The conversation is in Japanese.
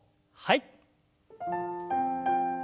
はい。